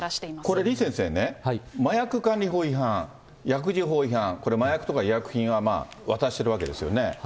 これ、李先生ね、麻薬管理法違反、薬事法違反、これ麻薬とか医薬品は渡してるわけですよね。